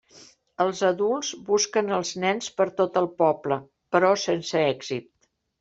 Els adults busquen els nens per tot el poble, però sense èxit.